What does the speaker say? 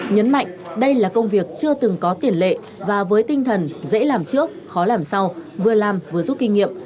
nhấn mạnh đây là công việc chưa từng có tiền lệ và với tinh thần dễ làm trước khó làm sau vừa làm vừa giúp kinh nghiệm